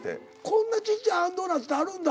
こんなちっちゃいあんどーなつってあるんだ。